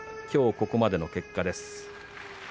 きょうここまでの結果です。